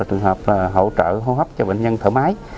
trường hợp là hỗ trợ hô hấp cho bệnh nhân thở máy